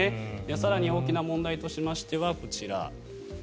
更に大きな問題としましてはこちら。